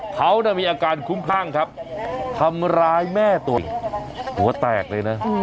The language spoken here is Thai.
เขามีอาการคุ้มคลั่งครับทำร้ายแม่ตัวเองหัวแตกเลยนะ